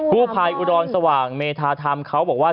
ผู้ภัยอุดรสว่างเมธาธรรมเขาบอกว่า